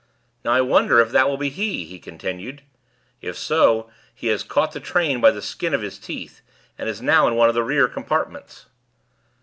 "Now I wonder if that will be he," he continued. "If so, he has caught the train by the skin of his teeth, and is now in one of the rear compartments."